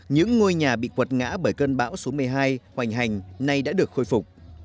những ngôi nhà bị quật ngã bởi cơn bão số một mươi hai hoành hành nay đã được khôi phục